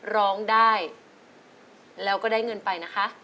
ร้องได้แล้วก็ได้เงินไปนะคะ